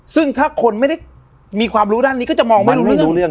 ซึ่งถ้าคนไม่ได้มีความรู้ด้านนี้ก็จะมองไม่รู้เรื่อง